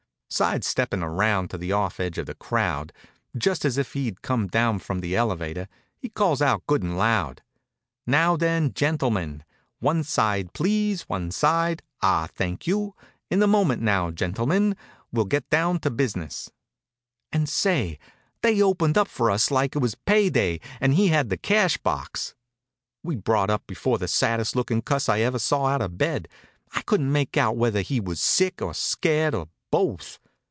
Side steppin' around to the off edge of the crowd, just as if he'd come down from the elevator, he calls out good and loud: "Now then, gentlemen; one side, please, one side! Ah, thank you! In a moment, now, gentlemen, we'll get down to business." And say, they opened up for us like it was pay day and he had the cash box. We brought up before the saddest lookin' cuss I ever saw out of bed. I couldn't make out whether he was sick, or scared, or both.